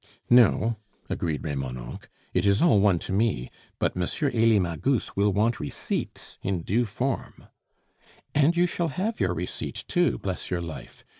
"No," agreed Remonencq, "it is all one to me, but M. Elie Magus will want receipts in due form." "And you shall have your receipt too, bless your life!